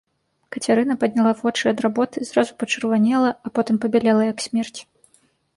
Кацярына падняла вочы ад работы, зразу пачырванела, а потым пабялела як смерць.